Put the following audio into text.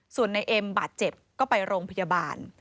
ส่วนในเอ็มบาดเจ็บก็ไปโรงพยาบาล